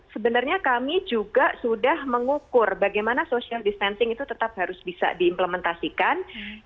sebenarnya kami juga sudah mengukur bagaimana social distancing itu tetap harus bisa diimplementasikan